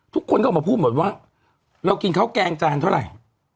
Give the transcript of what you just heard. ทุกคนก็ออกมาพูดหมดว่าเรากินข้าวแกงจานเท่าไหร่